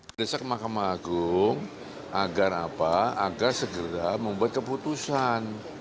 beresak ke mahkamah agung agar segera membuat keputusan